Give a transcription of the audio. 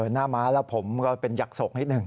หน้าม้าแล้วผมก็เป็นยักโศกนิดหนึ่ง